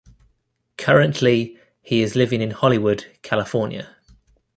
Currently, he is living in Hollywood, California.